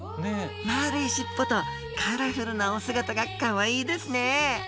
まあるい尻尾とカラフルなお姿がかわいいですね！